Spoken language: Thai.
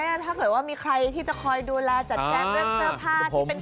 โถงอย่าว่ามีใครที่จะคอยดูแลจัดแก้พหลือเซอร์ผ้า